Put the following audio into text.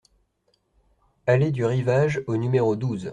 Allée du Rivage au numéro douze